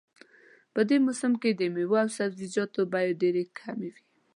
په دې موسم کې د میوو او سبزیجاتو بیې ډېرې کمې وي